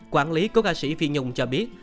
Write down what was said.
quản lý của ca sĩ phi nhung cho biết